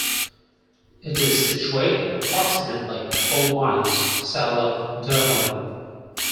It is situated approximately four miles south of Durham.